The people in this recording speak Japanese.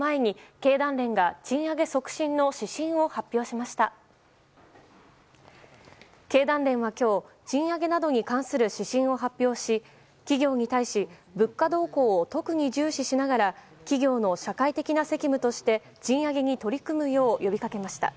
経団連は今日賃上げなどに関する指針を発表し企業に対し物価動向を特に重視しながら企業の社会的な責務として賃上げに取り組むよう呼びかけました。